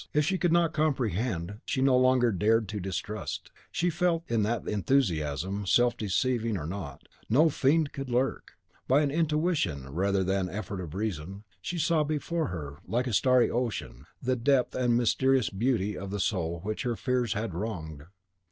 If she could not comprehend, she no longer dared to distrust. She felt that in that enthusiasm, self deceiving or not, no fiend could lurk; and by an intuition, rather than an effort of the reason, she saw before her, like a starry ocean, the depth and mysterious beauty of the soul which her fears had wronged.